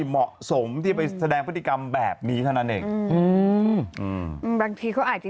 เหมาะสมที่ไปแสดงพฤติกรรมแบบนี้เท่านั้นเองอืมอืมบางทีเขาอาจจะ